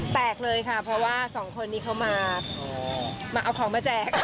แตกเลยค่ะเพราะว่าสองคนนี้เขามาเอาของมาแจก